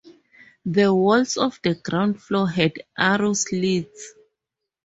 The walls of the ground floor had arrowslits.